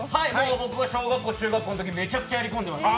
僕は小学校、中学校のときめちゃくちゃやりこんでました。